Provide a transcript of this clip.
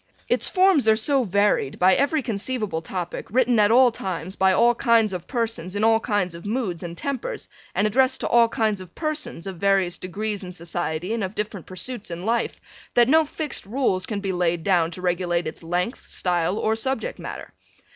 Its forms are so varied by every conceivable topic written at all times by all kinds of persons in all kinds of moods and tempers and addressed to all kinds of persons of varying degrees in society and of different pursuits in life, that no fixed rules can be laid down to regulate its length, style or subject matter.